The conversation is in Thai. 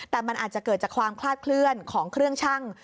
แต่มันอาจจะเกิดจากความคลาดเคลื่อนของเครื่องชั่ง